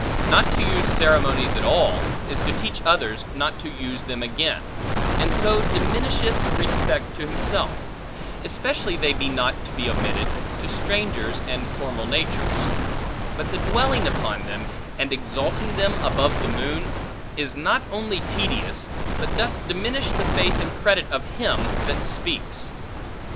Not to use ceremonies at all, is to teach others not to use them again; and so diminisheth respect to himself; especially they be not to be omitted, to strangers and formal natures; but the dwelling upon them, and exalting them above the moon, is not only tedious, but doth diminish the faith and credit of him that speaks.